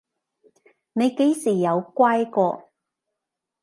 你幾時有乖過？